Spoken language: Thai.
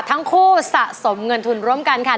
ทั้งคู่สะสมเงินทุนร่วมกันค่ะ